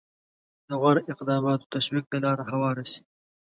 د غوره اقداماتو تشویق ته لاره هواره شي.